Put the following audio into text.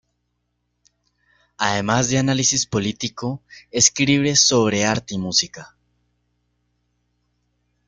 Además de análisis político escribe sobre arte y música.